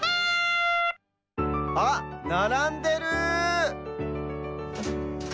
あっならんでる！